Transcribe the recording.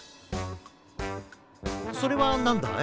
それはなんだい？